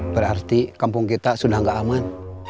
berarti kampung kita sudah tidak aman